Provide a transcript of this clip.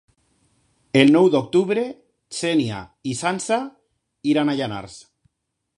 El nou d'octubre na Xènia i na Sança iran a Llanars.